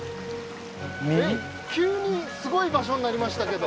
えっ急にすごい場所になりましたけど。